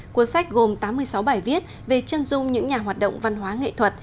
cuốn sách gồm tám mươi sáu bài viết về chân dung những nhà hoạt động văn hóa nghệ thuật